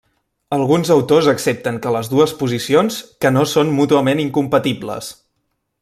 Alguns autors accepten que les dues posicions que no són mútuament incompatibles.